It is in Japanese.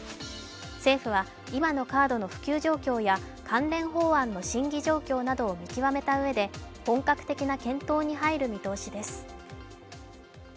政府は今のカードの普及状況や関連法案の審議状況などを見極めたうえで本格的な検討に入る見通しです。